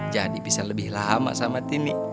jadi bisa lebih lama sama tini